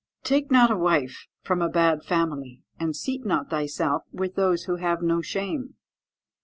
_ "Take not a wife from a bad family, and seat not thyself with those who have no shame.